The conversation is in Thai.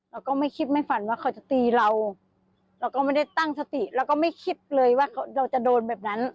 เราก็ไม่คิดไม่ฝันว่าเขาจะตีเราเราก็ไม่ได้ตั้งสติแล้วก็ไม่คิดเลยว่าเราจะโดนแบบนั้น